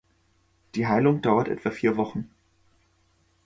Die Heilung dauert etwa vier Wochen.